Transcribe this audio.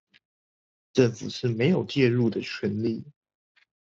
政府是沒有介入的權利